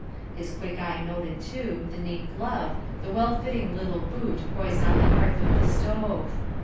His quick eye noted too, the neat glove, the well fitting little boot poised on the hearth of the stove.